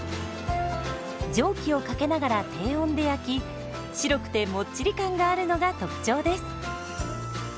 蒸気をかけながら低温で焼き白くてもっちり感があるのが特徴です。